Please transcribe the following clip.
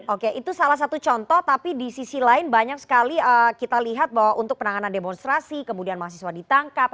oke itu salah satu contoh tapi di sisi lain banyak sekali kita lihat bahwa untuk penanganan demonstrasi kemudian mahasiswa ditangkap